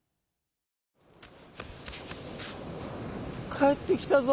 「かえってきたぞ。